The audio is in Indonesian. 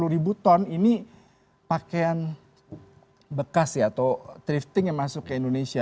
satu ratus lima puluh ribu ton ini pakaian bekas ya atau thrifting yang masuk ke indonesia